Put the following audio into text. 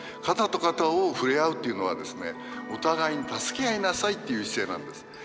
肩と肩を触れ合うっていうのはですねお互いに助け合いなさいっていう姿勢なんです。